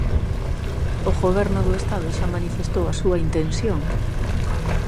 O Goberno do Estado xa manifestou a súa intención.